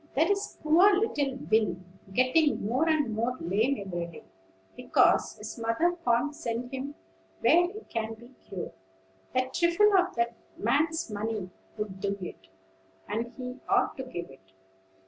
There is poor little Will getting more and more lame every day, because his mother can't send him where he can be cured. A trifle of that man's money would do it, and he ought to give it.